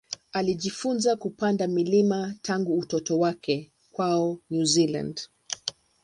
Alijifunza kupanda milima tangu utoto wake kwao New Zealand.